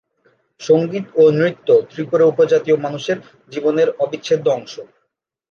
সঙ্গীত এবং নৃত্য ত্রিপুরা উপজাতীয় মানুষের জীবনের অবিচ্ছেদ্য অংশ।